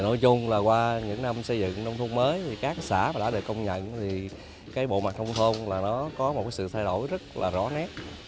nói chung là qua những năm xây dựng nông thôn mới các xã đã được công nhận bộ mặt thông thôn có sự thay đổi rất rõ nét